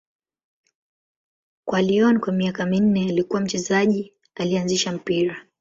Kwa Lyon kwa miaka minne, alikuwa mchezaji aliyeanzisha mpira.